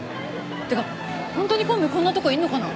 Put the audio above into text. てかホントに孔明こんなとこいんのかな？